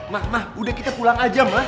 mama udah kita pulang aja ma